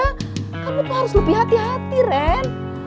kamu tuh harus lebih hati hati ren